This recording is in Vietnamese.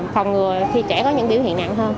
phòng ngừa khi trẻ có những biểu hiện nặng hơn